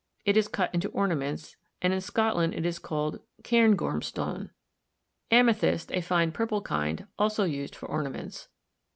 It is cut into ornaments, and in Scotland it is called cairngorm stone. Amethyst, a fine purple kind, also used for ornaments.